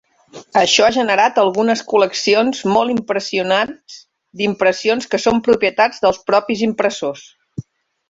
Això ha generat algunes col·leccions molt impressionats d"impressions que són propietat dels propis impressors.